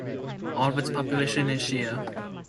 All of the its population is Shia.